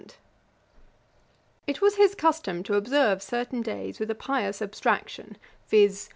Ætat 55.] It was his custom to observe certain days with a pious abstraction; viz.